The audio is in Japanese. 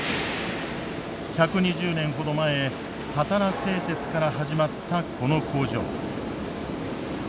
１２０年ほど前たたら製鉄から始まったこの工場。